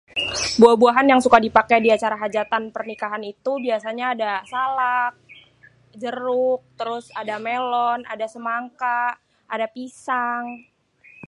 Buah-buahan yang suka dipaké di acara hajatan pernikahan itu biasanya ada salak, jeruk, terus ada melon, ada semangka, ada pisang.